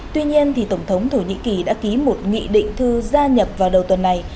tuy nhiên tổng thống thổ nhĩ kỳ đã ký một nghị định thư gia nhập vào đầu tuần này